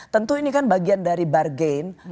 tentu ini kan bagian dari bar gain